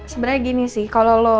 sebenarnya gini sih kalau lo